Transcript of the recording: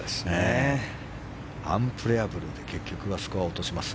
アンプレヤブルで結局はスコアを落とします。